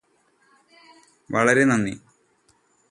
വളരെ നന്ദി